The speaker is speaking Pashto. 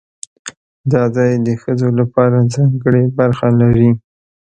دا ځای د ښځو لپاره ځانګړې برخه لري.